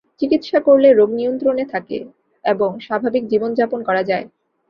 চিকিৎসা করলে রোগ নিয়ন্ত্রণে থাকে এবং স্বাভাবিক জীবন যাপন করা যায়।